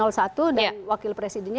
dan wakil presiden satu